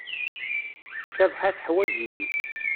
Cabḥa teḥwaǧ-iyi.